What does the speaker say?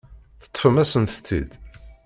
Teṭṭfem-asent-tt-id.